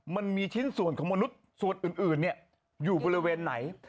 มันมีชิ้นส่วนของมนุษย์ส่วนอื่นอยู่บริเวณไหน